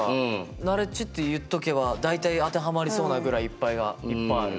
「ナレッジ」って言っとけば大体当てはまりそうなぐらいいっぱいある。